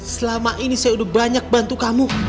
selama ini saya udah banyak bantu kamu